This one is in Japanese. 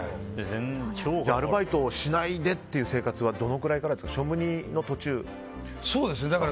アルバイトをしないでという生活はどのくらいからですか。